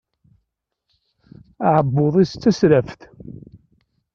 Aɛebbuḍ-is d tasraft.